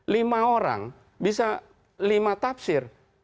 lima orang bisa lima tafsir